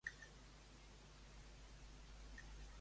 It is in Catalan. Allí quin és el menú que els espera?